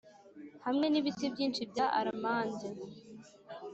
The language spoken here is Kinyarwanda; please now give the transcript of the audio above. hamwe n'ibiti byinshi bya almande.